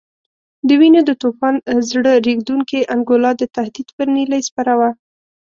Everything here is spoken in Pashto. د وینو د توپان زړه رېږدونکې انګولا د تهدید پر نیلۍ سپره وه.